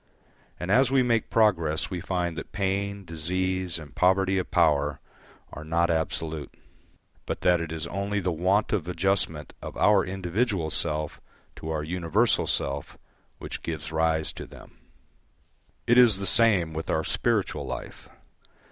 And as we make progress we find that pain, disease, and poverty of power are not absolute, but that is only the want of adjustment of our individual self to our universal self which gives rise to them. It is the same with our spiritual life.